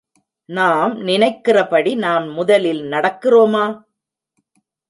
நாம் நினைக்கிறபடி நாம் முதலில் நடக்கிறோமா?